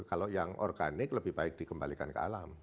kalau yang organik lebih baik dikembalikan ke alam